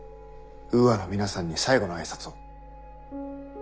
ウーアの皆さんに最後の挨拶を。